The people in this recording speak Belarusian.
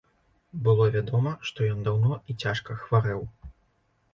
Было вядома, што ён даўно і цяжка хварэў.